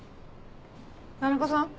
田中さん？